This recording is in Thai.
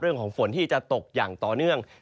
เรื่องของฝนที่จะตกอย่างต่อเนื่อง